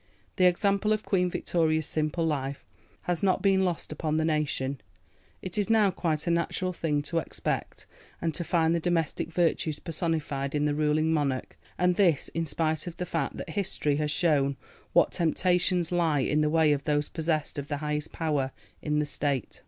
The example of Queen Victoria's simple life has not been lost upon the nation. It is now quite a natural thing to expect and to find the domestic virtues personified in the ruling monarch, and this in spite of the fact that history has shown what temptations lie in the way of those possessed of the highest power in the state.